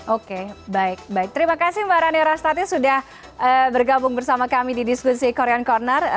oke baik baik terima kasih mbak rani rastati sudah bergabung bersama kami di diskusi korean corner